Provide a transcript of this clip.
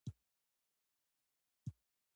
دریشي که نه وي اندازه، د بدن عیبونه ښکاره کوي.